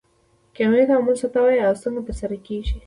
کیمیاوي تعامل څه ته وایي او څنګه ترسره کیږي